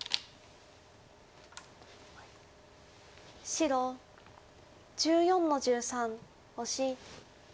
白１４の十三オシ。